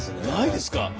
ないですか？